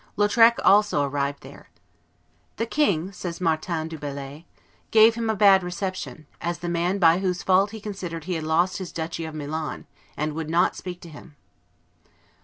Lautrec also arrived there. "The king," says Martin du Bellay, "gave him a bad reception, as the man by whose fault he considered he had lost his duchy of Milan, and would not speak to him."